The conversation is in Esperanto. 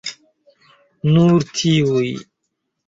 Nur tiuj.